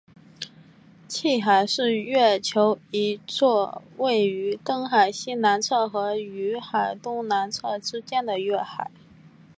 汽海是月球一座位于澄海西南侧和雨海东南侧之间的月海。